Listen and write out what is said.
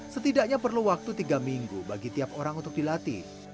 setidaknya perlu waktu tiga minggu bagi tiap orang untuk dilatih